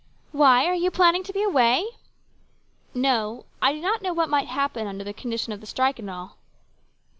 " Why, are you planning to be away ?"" No ; I did not know what might happen, under the condition of the strike and all."